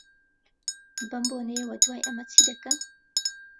بەم بۆنەیەوە، دوای ئەمە چی دەکەن؟